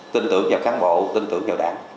tin tưởng vào cán bộ tin tưởng vào đảng